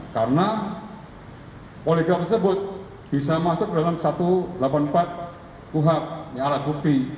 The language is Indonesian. karena poligraf tersebut bisa masuk ke dalam satu ratus delapan puluh empat kuhab alat bukti